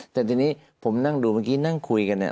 แต่ทีนี้ผมนั่งดูเมื่อกี้นั่งคุยกันเนี่ย